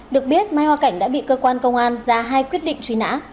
được biết mai hoa cảnh đã bị cơ quan công an ra hai quyết định truy nã